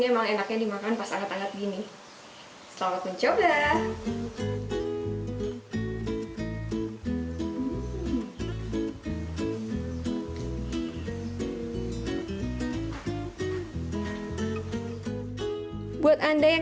emang enaknya dimakan pas anget anget gini selamat mencoba buat anda yang